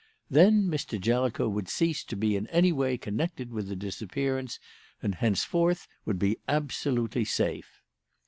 Then Mr. Jellicoe would cease to be in any way connected with the disappearance, and henceforth would be absolutely safe.